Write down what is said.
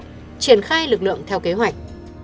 triển khai lực lượng theo kế hoạch